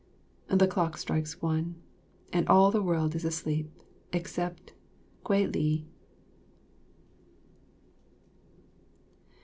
The clock strikes one, and all the world's asleep except, Kwei li.